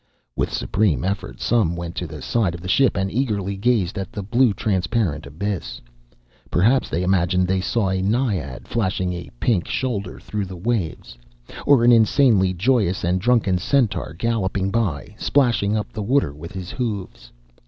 With supreme effort some went to the side of the ship and eagerly gazed at the blue, transparent abyss. Perhaps they imagined they saw a naiad flashing a pink shoulder through the waves, or an insanely joyous and drunken centaur galloping by, splashing up the water with his hoofs.